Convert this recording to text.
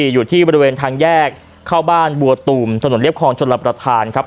อยู่ที่บริเวณทางแยกเข้าบ้านบัวตุ่มถนนเรียบคลองชนรับประทานครับ